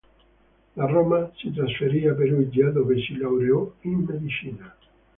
Da Roma si trasferì a Perugia, dove si laureò in medicina.